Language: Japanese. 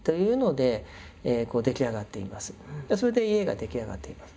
それで家が出来上がっています。